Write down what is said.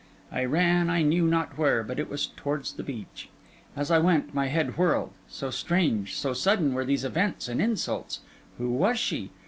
I ran I knew not where, but it was towards the beach. As I went, my head whirled; so strange, so sudden, were these events and insults. Who was she?